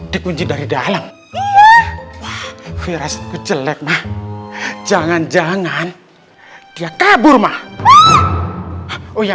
dikunci dari dalam virus kecelakaan jangan jangan dia kabur mah oh iya